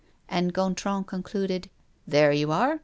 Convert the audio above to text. And Gontran concluded: "There you are!